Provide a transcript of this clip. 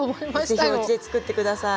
是非おうちで作って下さい。